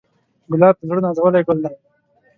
ګلاب د زړه نازولی ګل دی.